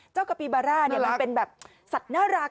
เจ้ากะปีบาร่ามันเป็นแบบสัตว์น่ารักอ่ะ